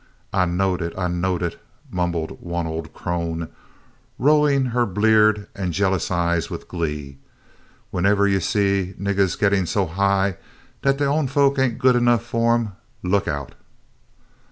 "I knowed it, I knowed it," mumbled one old crone, rolling her bleared and jealous eyes with glee. "W'enevah you see niggahs gittin' so high dat dey own folks ain' good enough fu' 'em, look out."